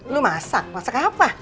lu masak masak apa